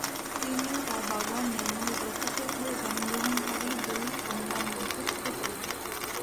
তিনি তাঁর বাবা নির্মল জোসেফের ঘরে জন্মগ্রহণকারী দুই কন্যার মধ্যে ছোট ছিলেন।